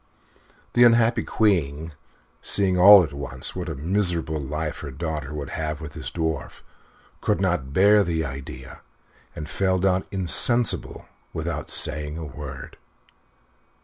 The unhappy Queen, seeing all at once what a miserable life her daughter would have with this Dwarf could not bear the idea, and fell down insensible without saying a word.